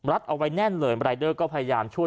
เอาไว้แน่นเลยรายเดอร์ก็พยายามช่วย